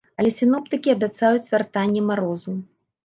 Але сіноптыкі абяцаюць вяртанне марозу.